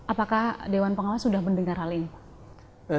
apakah dewan pengawas sudah mendengar hal ini